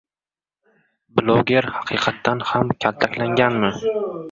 Bloger haqiqatdan ham kaltaklanganmi?